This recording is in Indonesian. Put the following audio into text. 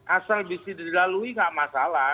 asal bisa dilalui nggak masalah